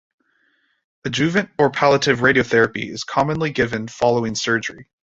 Adjuvant or palliative radiotherapy is commonly given following surgery.